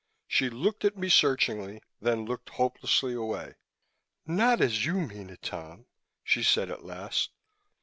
She looked at me searchingly, then looked hopelessly away. "Not as you mean it, Tom," she said at last.